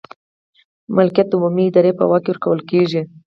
ملکیت د عمومي ادارې په واک کې ورکول کیږي.